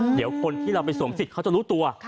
เดี๋ยวคนที่เราไปสวมสิทธิ์เขาจะรู้ตัว